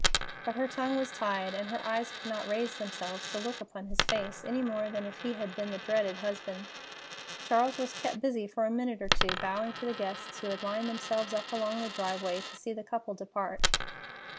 But her tongue was tied, and her eyes could not raise themselves to look upon his face any more than if he had been the dreaded husband. Charles was kept busy for a minute or two, bowing to the guests who had lined themselves up along the driveway to see the couple depart.